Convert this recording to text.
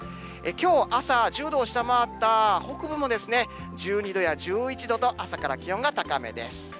きょう朝１０度を下回った北部も、１２度や１１度と、朝から気温が高めです。